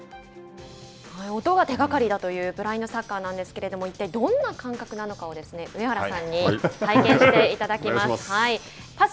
音が手がかりだというブラインドサッカーなんですけれども一体どんな感覚なのかを上原さんに体験していただきます。